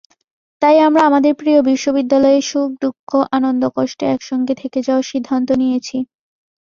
তাই আমরা আমাদের প্রিয় বিশ্ববিদ্যালয়ে সুখ-দুঃখ-আনন্দ-কষ্টে একসঙ্গে থেকে যাওয়ার সিদ্ধান্ত নিয়েছি।